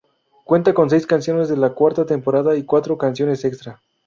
Cuenta con seis canciones de la cuarta temporada y cuatro canciones extra.